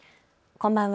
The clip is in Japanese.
こんばんは。